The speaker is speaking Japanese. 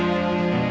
うん。